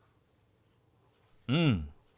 うん。